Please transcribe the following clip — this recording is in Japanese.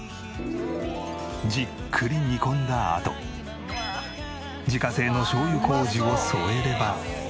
じっくり煮込んだあと自家製のしょうゆ麹を添えれば。